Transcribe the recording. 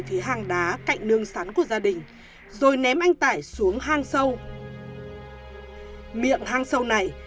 phía hang đá cạnh nương sắn của gia đình rồi ném anh tải xuống hang sâu miệng hang sâu này